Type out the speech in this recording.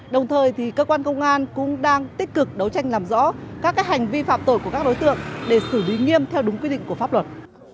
đồng thời cơ quan công an cũng đang tích cực đấu tranh làm rõ các hành vi phạm tội của các đối tượng để xử lý nghiêm theo đúng quy định của pháp luật